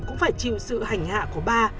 cũng phải chịu sự hành hạ của ba